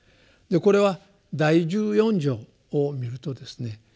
これは第十四条を見るとですね